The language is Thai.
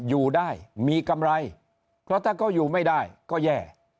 อยู่ได้มีกำไรเพราะถ้าเขาอยู่ไม่ได้ก็แย่